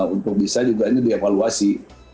untuk bisa juga ini dievaluasi